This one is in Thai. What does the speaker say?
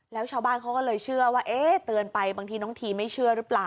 แล้วชาวบ้านเขาก็เลยเชื่อว่าเอ๊ะเตือนไปบางทีน้องทีไม่เชื่อหรือเปล่า